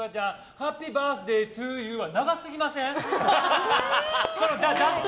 ハッピーバースデートゥーユーは長すぎません？